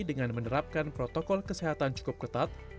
dengan menerapkan protokol kesehatan cukup ketat